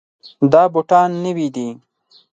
دا بوټان نوي دي.